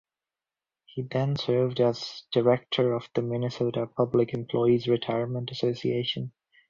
He then served as director of the Minnesota Public Employees Retirement Association.